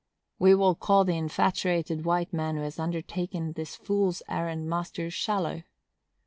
We will call the infatuated white man who has undertaken this fool's errand Master Shallow.